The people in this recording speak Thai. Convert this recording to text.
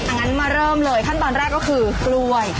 งั้นมาเริ่มเลยขั้นตอนแรกก็คือกล้วย